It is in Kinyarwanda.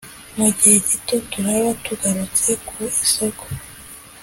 mu gihe gito turaba tugarutse ku isoko